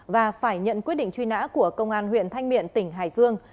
và phải nhận quyết định truy nã của công an huyện thanh miện tỉnh hải dương